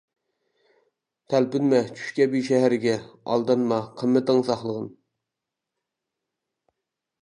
تەلپۈنمە چۈش كەبى شەھەرگە، ئالدانما، قىممىتىڭ ساقلىغىن.